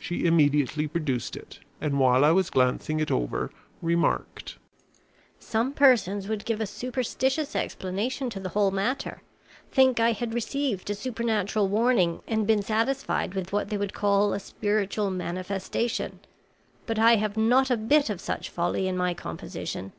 She immediately produced it, and while I was glancing it over remarked: "Some persons would give a superstitious explanation to the whole matter; think I had received a supernatural warning and been satisfied with what they would call a spiritual manifestation. But I have not a bit of such folly in my composition.